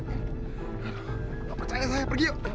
aduh gak percaya saya pergi yuk